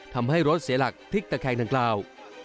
ทำให้รถเสียหลักพลิกตะแคงดังกล่าว